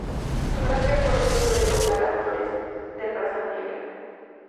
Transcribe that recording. Con gran frecuencia suele doblar a actores de raza negra.